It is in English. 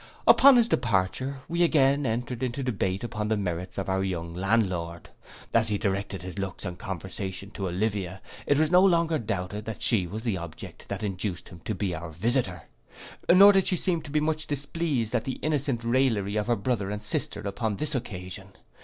Upon his departure, we again entered into a debate upon the merits of our young landlord. As he directed his looks and conversation to Olivia, it was no longer doubted but that she was the object that induced him to be our visitor. Nor did she seem to be much displeased at the innocent raillery of her brother and sister upon this occasion.